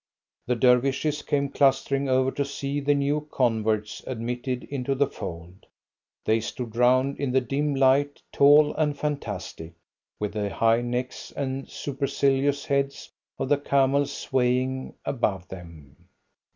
The Dervishes came clustering over to see the new converts admitted into the fold. They stood round in the dim light, tall and fantastic, with the high necks and supercilious heads of the camels swaying above them.